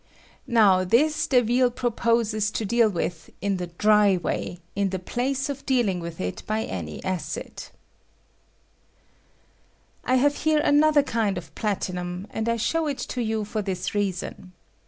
Now this Deville proposes to deal witE in the dry way, in the place of dealing with it by any acid. I I have here another kind of platinnm"; and I show it to you for this reason.